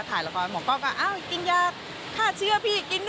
ถ่ายละครแล้วหมอกล้องเปล่าอ้าวกินยาข้าเชื่อพี่